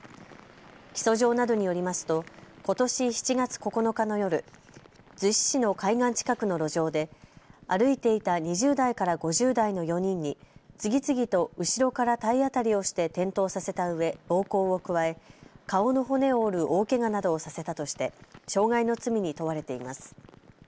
起訴状などによりますとことし７月９日の夜、逗子市の海岸近くの路上で歩いていた２０代から５０代の４人に次々と後ろから体当たりをして転倒させたうえ、暴行を加え顔の骨を折る大けがなどをさせたとして傷害の罪に問われています。